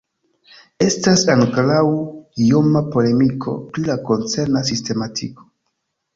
Estas ankoraŭ ioma polemiko pri la koncerna sistematiko.